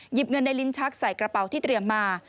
เงินในลิ้นชักใส่กระเป๋าที่เตรียมมา